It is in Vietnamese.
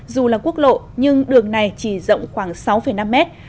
dù là quốc lộ nhưng đường này chỉ rộng khoảng sáu năm mét